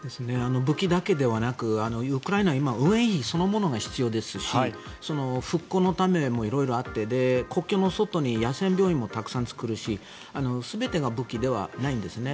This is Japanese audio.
武器だけではなくウクライナ、今運営費そのものが必要ですし復興のためにも色々あって国境の外に野戦病院もたくさん作るし全てが武器ではないんですね。